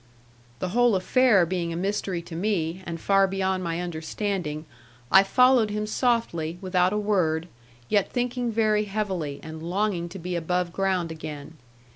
The whole affair being a mystery to me, and far beyond my understanding, I followed him softly, without a word, yet thinking very heavily, and longing to be above ground again.